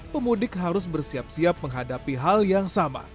pemudik harus bersiap siap menghadapi hal yang sama